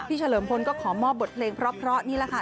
เฉลิมพลก็ขอมอบบทเพลงเพราะนี่แหละค่ะ